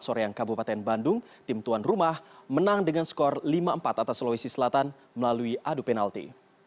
sore yang kabupaten bandung tim tuan rumah menang dengan skor lima empat atas sulawesi selatan melalui adu penalti